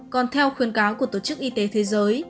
còn theo khuyên cáo của tổ chức y tế thế giới